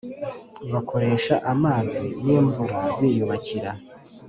Bakoresha amazi y imvura biyubakira